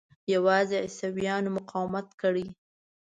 یوازې عیسویانو مقاومت کړی.